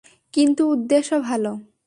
কিন্তু উদ্দেশ্য ভালো।